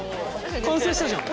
完成したじゃん。